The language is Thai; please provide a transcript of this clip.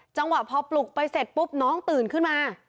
จังหวะพอปลุกไปเสร็จปุ๊บน้องตื่นขึ้นมา